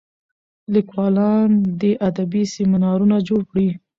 لیکوالان دي ادبي سیمینارونه جوړ کړي.